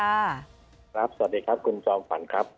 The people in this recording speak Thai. ครับสวัสดีครับคุณจอมฝันครับ